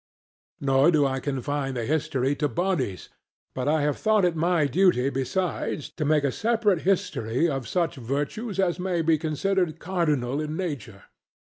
Nor do I confine the history to Bodies; but I have thought it my duty besides to make a separate history of such Virtues as may be considered cardinal in nature.